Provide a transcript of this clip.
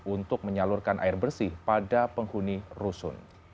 untuk menyalurkan air bersih pada penghuni rusun